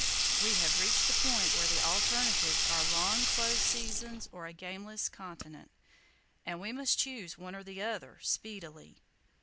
We have reached the point where the alternatives are long closed seasons or a gameless continent; and we must choose one or the other, speedily.